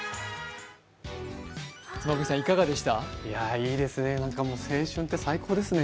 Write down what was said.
いいですね、青春って最高ですね。